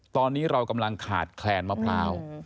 ตอนนี้เรากำลังขาดแคลนมะพร้าว